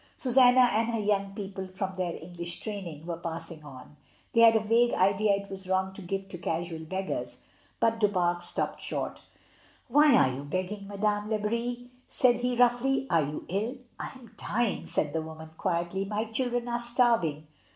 Susanna and her young people, from their English training, were passing on, they had a vague idea it was wrong to give to casual beggars, but Du Pare stopped short. "Why are you begging, Madame Lebris?" said he roughly. "Are you ill?" "I am dying," said the woman quietly; "my children are starving."